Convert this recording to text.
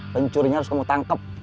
pencurinya harus kamu tangkep